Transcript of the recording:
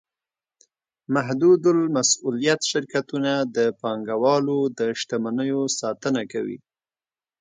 محدودالمسوولیت شرکتونه د پانګهوالو د شتمنیو ساتنه کوي.